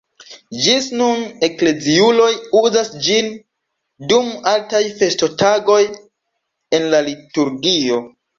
Ĝis nun ekleziuloj uzas ĝin dum altaj festotagoj en la liturgio.